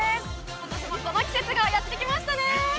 今年もこの季節がやってきましたね。